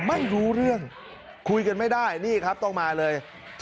ไม่รู้เรื่องคุยกันไม่ได้นี่ครับต้องมาเลย